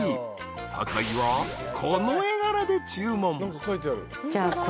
［坂井はこの絵柄で注文］